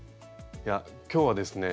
では今日はですね